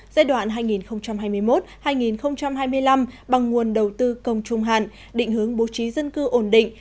giai đoạn hai nghìn hai mươi một hai nghìn hai mươi năm bằng nguồn đầu tư công trung hạn định hướng bố trí dân cư ổn định